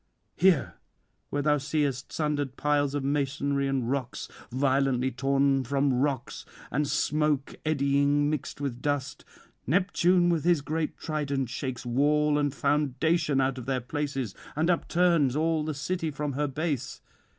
Here, where thou seest sundered piles of masonry and rocks violently torn from rocks, and smoke eddying mixed with dust, Neptune with his great trident shakes wall and foundation out of their places, and upturns all the city from her base.